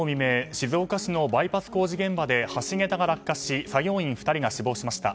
静岡市のバイパス工事現場で橋桁が落下し作業員２人が死亡しました。